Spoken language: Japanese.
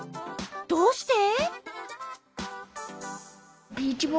どうして？